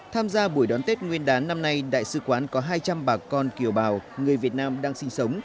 tham gia buổi đón tết nguyên đán năm nay đại sứ quán có hai trăm linh bà con kiều bào người việt nam đang sinh sống